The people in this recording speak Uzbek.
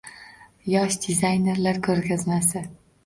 Yosh dizaynerlar ko‘rgazmasi